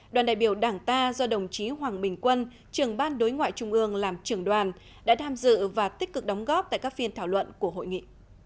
đoàn đại biểu đảng ta do đồng chí hoàng bình quân trưởng ban đối ngoại trung ương làm trưởng đoàn đã tham dự và tích cực đóng góp tại các phiên thảo luận của hội nghị